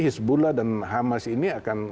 hizbullah dan hamas ini akan